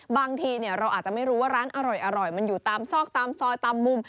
บางทีเราอาจจะไม่รู้ว่าร้านอร่อยมันอยู่ตามซอกตามซอยตามมุม